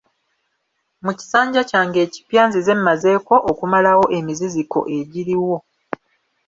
Mu kisanja kyange ekipya nzize mmazeeko okumalawo emiziziko egiriwo.